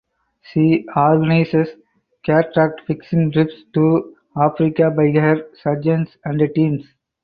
She organises cataract fixing trips to Africa by her surgeons and teams.